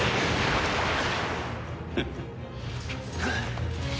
フフッ。